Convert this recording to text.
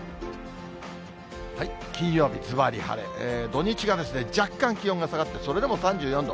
金曜日、ずばり晴れ、土日が若干気温が下がって、それでも３４度。